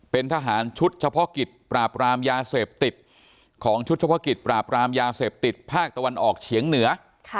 เป็นทหารชุดเฉพาะกิจปราบรามยาเสพติดของชุดเฉพาะกิจปราบรามยาเสพติดภาคตะวันออกเฉียงเหนือ